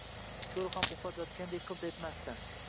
Koʼl ham uxlab yotgandek qilt etmasdi.